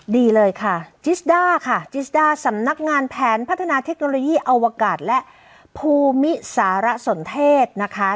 ดีเลยค่ะจิสด้าค่ะจิสด้าสำนักงานแผนพัฒนาเทคโนโลยีอวกาศและภูมิสารสนเทศนะคะ